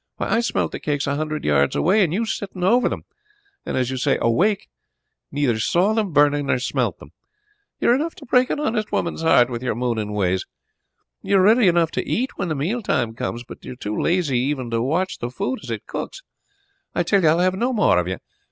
Why, I smelt the cakes a hundred yards away, and you sitting over them, and as you say awake, neither saw them burning nor smelt them! You are enough to break an honest woman's heart with your mooning ways. You are ready enough to eat when the meal time comes, but are too lazy even to watch the food as it cooks. I tell you I will have no more of you.